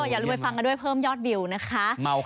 อย่าลืมไปฟังกันด้วยเพิ่มยอดวิวนะคะ